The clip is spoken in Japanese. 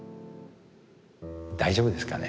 大丈夫ですかね。